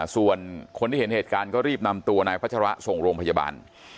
ส่วนคนที่เห็นเหตุการณ์ก็รีบนำตัวนายพัชระส่งโรงพยาบาล